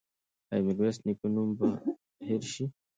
ایا د میرویس نیکه نوم به هېر شي؟